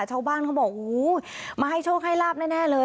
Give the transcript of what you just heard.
เช้าบ้านเขาบอกโอ้โหมาให้โชคให้ลาบแน่แน่เลย